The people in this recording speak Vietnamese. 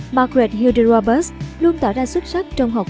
margaret hilde roberts luôn tỏ ra xuất sắc trong học